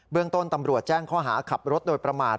เรื่องต้นตำรวจแจ้งข้อหาขับรถโดยประมาท